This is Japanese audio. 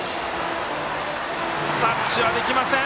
タッチはできません。